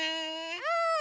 うん！